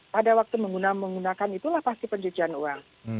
pada waktu menggunakan itulah pasti pencucian uang